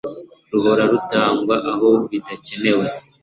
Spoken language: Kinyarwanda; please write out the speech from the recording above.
ruhora rutangwa aho bidakenewe